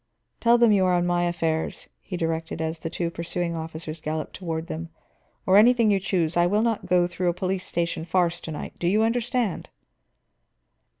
"Tell them you are on my affairs," he directed, as the two pursuing officers galloped toward them. "Or anything you choose. I will not go through a police station farce to night, do you understand?"